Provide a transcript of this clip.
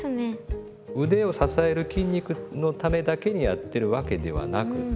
腕を支える筋肉のためだけにやってるわけではなくって。